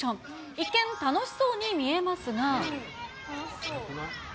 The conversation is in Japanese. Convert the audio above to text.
一見楽しそうに見えますが。